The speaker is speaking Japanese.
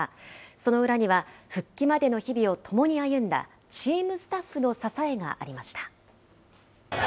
その裏には、復帰までの日々を共に歩んだ、チームスタッフの支えがありました。